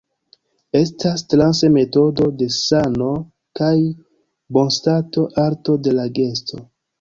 Estas transe metodo de sano kaj bonstato, arto de la gesto.